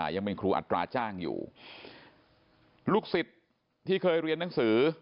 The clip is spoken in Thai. ยังเป็นครูอัตราจ้างอยู่ลูกศิษย์ที่เคยเรียนหนังสือ